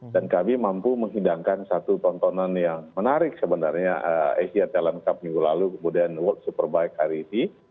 dan kami mampu menghidangkan satu tontonan yang menarik sebenarnya asia talent cup minggu lalu kemudian world superbike hari ini